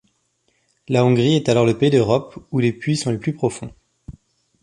La Hongrie est alors le pays d'Europe où les puits sont les plus profonds.